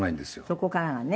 そこからがね。